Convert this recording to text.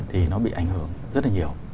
thì nó bị ảnh hưởng rất là nhiều